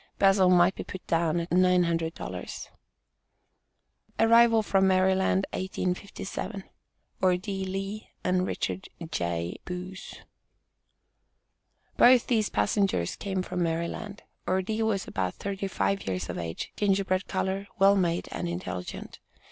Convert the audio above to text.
Bazil might be put down at nine hundred dollars. ARRIVAL FROM MARYLAND, 1857. ORDEE LEE, AND RICHARD J. BOOCE. Both of these passengers came from Maryland. Ordee was about thirty five years of age, gingerbread color, well made, and intelligent.